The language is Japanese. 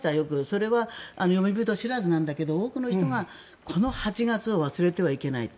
それは読み人知らずなんだけど多くの人がこの８月を忘れてはいけないと。